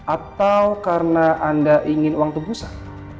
atau karena anda ingin uang tubuh besar